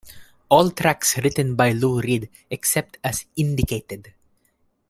All tracks written by Lou Reed except as indicated.